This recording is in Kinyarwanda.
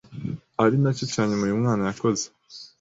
Ari nacyo cya nyuma uyu mwana yakoze.